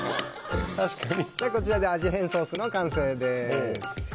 こちらで味変ソースの完成です。